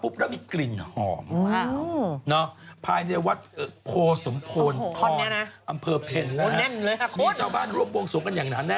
บางทีหลอนก็เหมือนม้าออนภาคเหมือนกันนะ